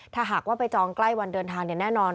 ถ้าหากว่าไปจองใกล้วันเดินทางแน่นอน